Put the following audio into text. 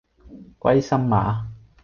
歸心馬